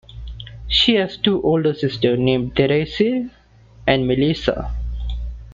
She has two older sisters, named Tracey and Melissa.